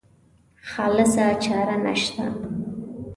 خالصه چاره نشته.